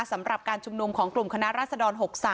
สำหรับการชุมนุมของกลุ่มคณะรัศดร๖๓